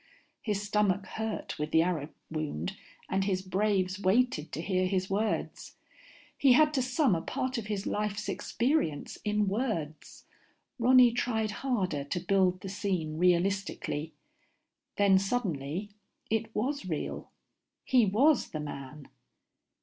His stomach hurt with the arrow wound, and his braves waited to hear his words. He had to sum a part of his life's experience in words. Ronny tried harder to build the scene realistically. Then suddenly it was real. He was the man.